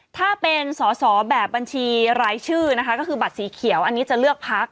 ถ้าเป็นสอสอแบบบัญชีรายชื่อนะคะก็คือบัตรสีเขียวอันนี้จะเลือกพัก